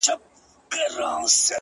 زما او ستا تر منځ صرف فرق دادى،